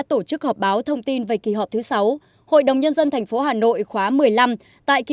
tổ chức họp báo thông tin về kỳ họp thứ sáu hội đồng nhân dân tp hà nội khóa một mươi năm tại kỳ